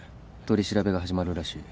取り調べが始まるらしい。